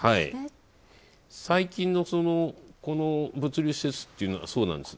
最近の物流施設っていうのは、そうなんです。